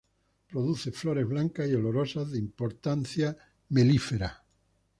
Produce flores blancas y olorosas, de importancia melífera.